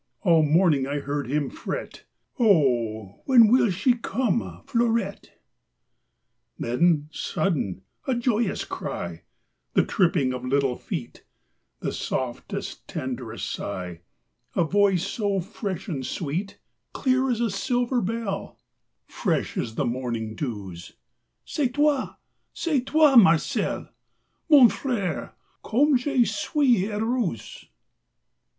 All morning I heard him fret: "Oh, when will she come, Fleurette?" Then sudden, a joyous cry; The tripping of little feet; The softest, tenderest sigh; A voice so fresh and sweet; Clear as a silver bell, Fresh as the morning dews: "C'est toi, c'est toi, Marcel! Mon fr├¬re, comme je suis heureuse!"